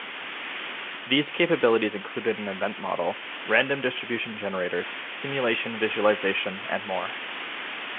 These capabilities included an event model, random distribution generators, simulation visualization, and more.